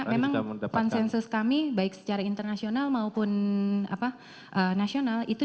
memang konsensus kami baik secara internasional maupun nasional